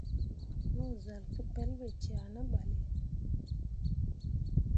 Yo zal ke pelɓe cea ne ɓalle.